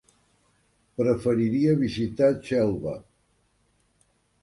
Preferiria visitar Xelva.